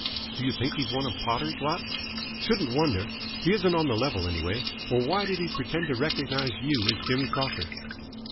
"Do you think he's one of Potter's lot?" "Shouldn't wonder. He isn't on the level, anyway, or why did he pretend to recognise you as Jimmy Crocker?"